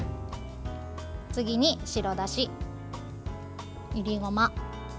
次に白だし、いりごま。